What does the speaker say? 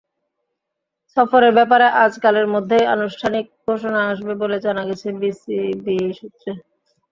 সফরের ব্যাপারে আজকালের মধ্যেই আনুষ্ঠানিক ঘোষণা আসবে বলে জানা গেছে বিসিবি সূত্রে।